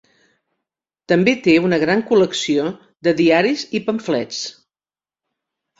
També té una gran col·lecció de diaris i pamflets.